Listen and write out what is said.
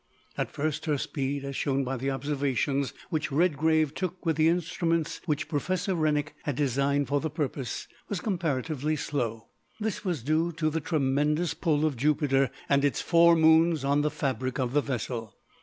At first her speed, as shown by the observations which Redgrave took with the instruments which Professor Rennick had designed for the purpose, was comparatively slow. This was due to the tremendous pull of Jupiter and its four moons on the fabric of the vessel.